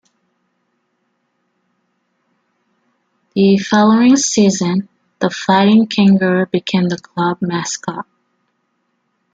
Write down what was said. The following season, the 'Fighting Kangaroo' became the club mascot.